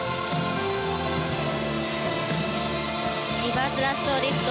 リバースラッソーリフト。